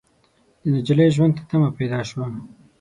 د نجلۍ ژوند ته تمه پيدا شوه.